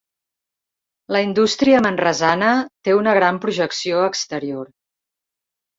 La indústria manresana té una gran projecció exterior.